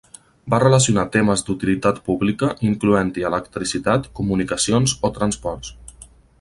Va relacionar temes d'utilitat pública, incloent-hi electricitat, comunicacions o transports.